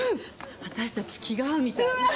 私たち気が合うみたい。